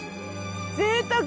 ぜいたく！